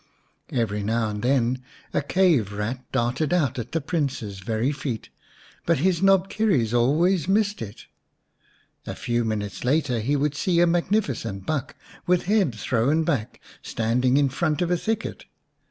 Every now and then a cave rat darted out at the Prince's very feet, but his knobkerrie always missed it ; a few minutes later he would see a magnificent buck, with head thrown back, standing in front of a thicket.